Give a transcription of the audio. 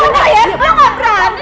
lo gak berani